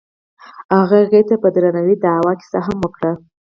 هغه هغې ته په درناوي د هوا کیسه هم وکړه.